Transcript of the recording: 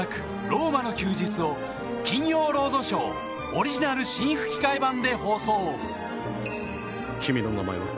『ローマの休日』を『金曜ロードショー』オリジナル新吹き替え版で放送君の名前は？